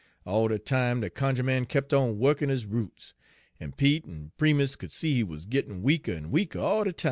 All de time de cunjuh man kep' on wukkin' his roots; en Pete en Primus could see he wuz gittin' weaker en weaker all de time.